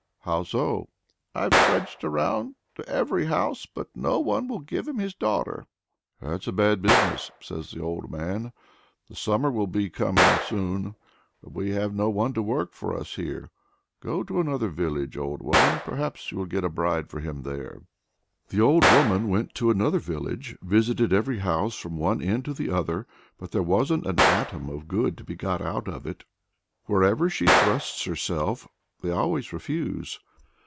"How so?" "I've trudged round to every house, but no one will give him his daughter." "That's a bad business!" says the old man; "the summer will soon be coming, but we have no one to work for us here. Go to another village, old woman, perhaps you will get a bride for him there." The old woman went to another village, visited every house from one end to the other, but there wasn't an atom of good to be got out of it. Wherever she thrusts herself, they always refuse.